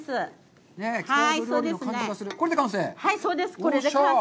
これで完成？